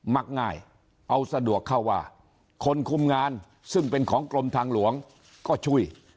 มักง่ายเอาสะดวกเข้าว่าคนคุมงานซึ่งเป็นของกรมทางหลวงก็ช่วย